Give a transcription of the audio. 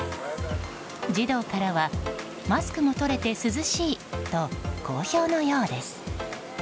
児童からはマスクも取れて涼しいと好評のようです。